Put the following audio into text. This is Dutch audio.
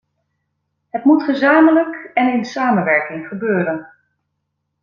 Het moet gezamenlijk en in samenwerking gebeuren.